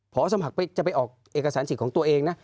พอสมัครจะไปออกเอกสารสิทธิ์ของตัวเองนะ